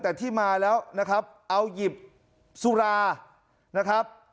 แต่ที่มาแล้วนะครับเอาหยิบสุรานะครับ